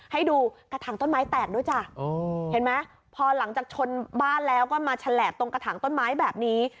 ให้ดูกระถางต้นไม้แตกด้วยจ้ะเห็นไหมพอหลังจากชนบ้านแล้วก็มาแฉลบตรงกระถางต้นไม้แบบนี้